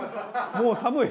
もう寒い！